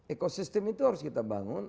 ekosistem itu harus kita bangun